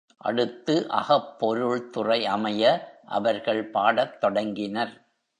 அடுத்து அகப் பொருள் துறை அமைய அவர்கள் பாடத் தொடங்கினர்.